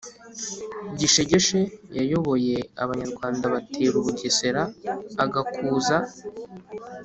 Gishegesha yayoboye Abanyarwanda batera u Bugesera, agakuza